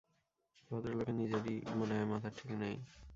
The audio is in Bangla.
ভদ্রলোকের নিজেরই মনে হয় মাথার ঠিক নেই।